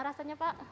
ini rasa durian pak